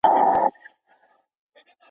ما یې په خوبونو کي سیندونه وچ لیدلي دي.